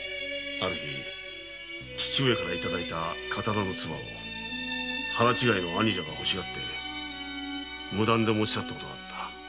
父上に頂いた刀の鍔を腹違いの兄者が欲しがって無断で持ち去った事があった。